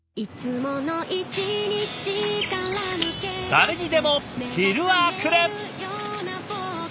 誰にでも昼はくる。